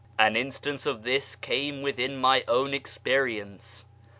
An instance of this came within my own experience.